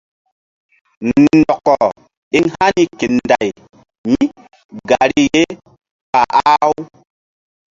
Ndɔkɔ eŋ hani ke Nday mígari ye ɓa ah-u.